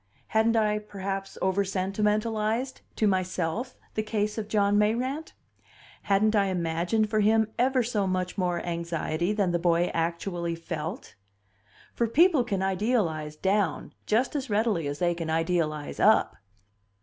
Hadn't I, perhaps, over sentimentalized to myself the case of John Mayrant? Hadn't I imagined for him ever so much more anxiety than the boy actually felt? For people can idealize down just as readily as they can idealize up.